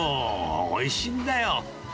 おいしいんだよ。